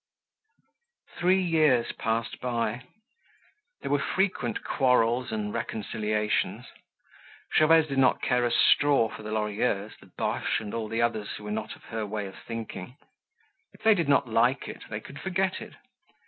Three years passed by. There were frequent quarrels and reconciliations. Gervaise did not care a straw for the Lorilleux, the Boches and all the others who were not of her way of thinking. If they did not like it, they could forget it.